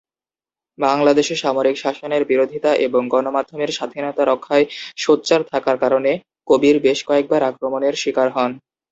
বাংলাদেশে সামরিক শাসনের বিরোধিতা এবং গণমাধ্যমের স্বাধীনতা রক্ষায় সোচ্চার থাকার কারণে কবির বেশ কয়েকবার আক্রমণের শিকার হন।